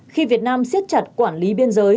khi việt nam siết chặt quản lý biên giới